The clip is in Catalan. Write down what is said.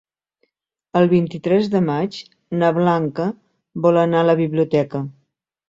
El vint-i-tres de maig na Blanca vol anar a la biblioteca.